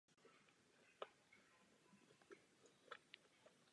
Plody jsou skladovatelné až do konce května.